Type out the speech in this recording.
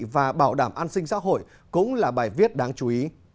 và bảo đảm an sinh xã hội cũng là bài viết đáng chú ý